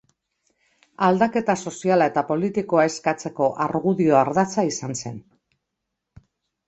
Aldaketa soziala eta politikoa eskatzeko argudio-ardatza izan zen.